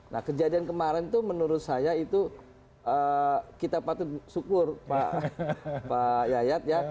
nah kejadian kemarin itu menurut saya itu kita patut syukur pak yayat ya